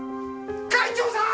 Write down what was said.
会長さん！